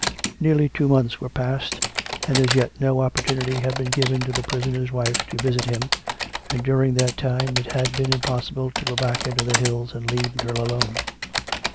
Nearly two months were passed; and as yet no oppor tunity had been given to the prisoner's wife to visit him, and during that time it had been impossible to go back into the hills and leave the girl alone.